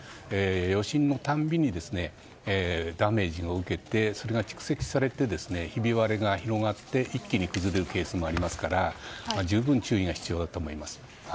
余震のたびにダメージを受けてそれが蓄積されてひび割れが広がって一気に崩れるケースもありますから十分注意が必要だと思います。